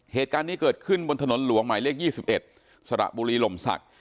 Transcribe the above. เหตุการณ์นี้เกิดขึ้นบนถนนหลวงหมายเลข๒๑สระบุรีลมศักดิ์